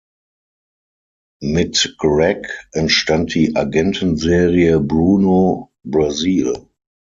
Mit Greg entstand die Agentenserie "Bruno Brazil".